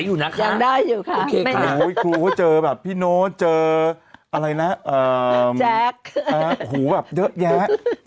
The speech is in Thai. โฮ้ดูว่าไม่ใช่หู่แววเนอะแหละ